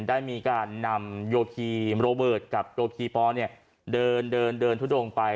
ได้มีการนำโยฮีโรเบิร์ตกับโยฮีป้อเนี่ยเดินเดินเดินทุกโดงไป